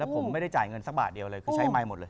ผมไม่ได้จ่ายเงินสักบาทเดียวเลยคือใช้ไมค์หมดเลย